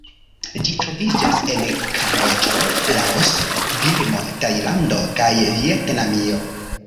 Ĝi troviĝas en Kamboĝo, Laoso, Birmo, Tajlando, kaj Vjetnamio.